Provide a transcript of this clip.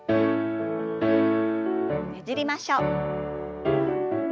ねじりましょう。